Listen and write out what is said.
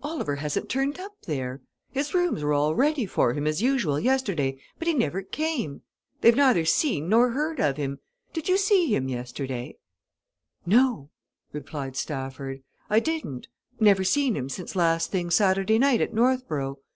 Oliver hasn't turned up there! His rooms were all ready for him as usual yesterday, but he never came. They've neither seen nor heard of him. Did you see him yesterday?" "No!" replied Stafford. "I didn't. Never seen him since last thing Saturday night at Northborough.